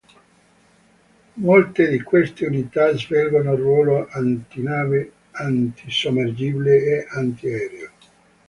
Molte di queste unità svolgono ruolo antinave, antisommergibile e antiaereo.